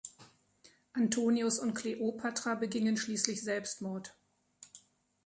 Antonius und Kleopatra begingen schließlich Selbstmord.